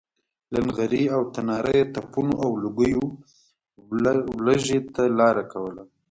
له نغري او تناره یې تپونو او لوګیو ولږې ته لاره کوله.